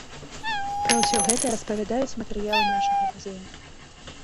Пра ўсё гэта распавядаюць матэрыялы нашага музея.